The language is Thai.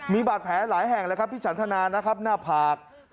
มีบาดแผลหลายแห่งพี่ฉันธนานะครับหน้าผาก